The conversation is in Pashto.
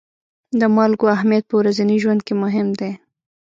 د مالګو اهمیت په ورځني ژوند کې مهم دی.